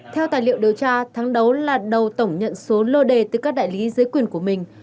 theo tài liệu điều tra tháng đấu là đầu tổng nhận số lô đề từ các đại lý dưới quyền của mình